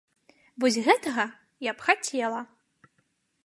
Вось гэтага б я хацела.